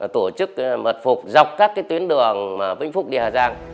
tổ chức mật phục dọc các tuyến đường vinh phúc địa hà giang